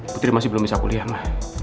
putri masih belum bisa kuliah lah